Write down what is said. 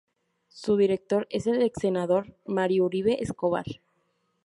Su director es el ex senador Mario Uribe Escobar.